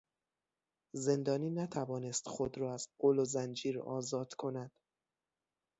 زندانی نتوانست خود را از غل و زنجیر آزاد کند.